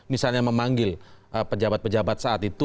misalnya memanggil pejabat pejabat saat itu